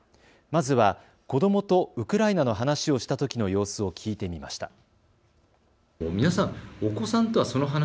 まずは、子どもとウクライナの話をしたときの様子を聞いてみました。